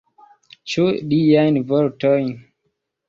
Ĉu liajn vortojn?